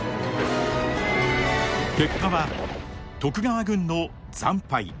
結果は徳川軍の惨敗。